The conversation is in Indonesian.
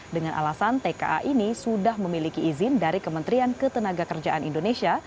dengan alasan tka ini sudah memiliki izin dari kementerian ketenaga kerjaan indonesia